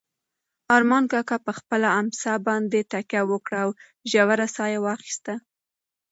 ارمان کاکا په خپله امسا باندې تکیه وکړه او ژوره ساه یې واخیسته.